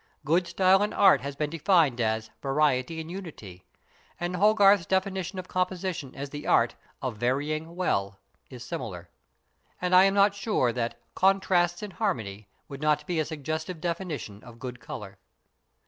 Good style in art has been defined as "variety in unity," and Hogarth's definition of composition as the art of "varying well" is similar. And I am not sure that "contrasts in harmony" would not be a suggestive definition of good colour.